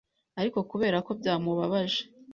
ariko kubera ko byamubabaje,